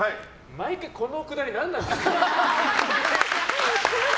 毎回、この下り何なんですか？